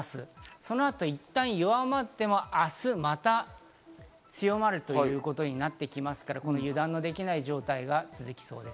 そのあと、いったん弱まっても明日、また強まるということになってきますから、油断できない状態が続きそうです。